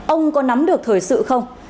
ông có nắm được thời sự không